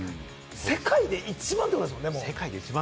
世界で一番ということですもんね。